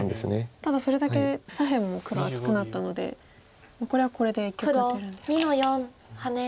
ただそれだけ左辺も黒厚くなったのでこれはこれで一局打てるんですか。